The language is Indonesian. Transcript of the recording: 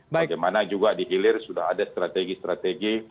bagaimana juga di hilir sudah ada strategi strategi